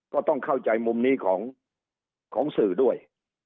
ก็ต้องเข้าใจมุมนี้ของสื่อด้วย